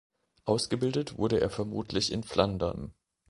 Ausgebildet wurde er vermutlich in Flandern.